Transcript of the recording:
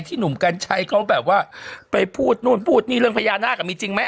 หนุ่มกัญชัยเขาแบบว่าไปพูดนู่นพูดนี่เรื่องพญานาคมีจริงไหม